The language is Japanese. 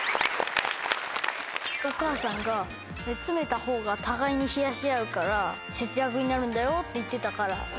お母さんが「詰めた方が互いに冷やし合うから節約になるんだよ」って言ってたから。